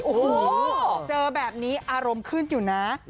โอ้โหเจอแบบนี้อารมณ์ขึ้นอยู่นะ